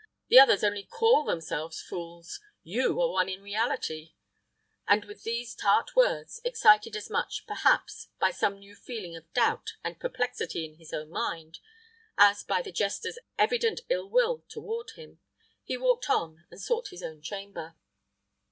The others only call themselves fools; you are one in reality;" and with these tart words, excited as much, perhaps, by some new feeling of doubt and perplexity in his own mind, as by the jester's evident ill will toward him, he walked on and sought his own chamber.